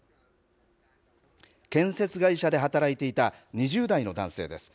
建設会社で働いていた２０代の男性です。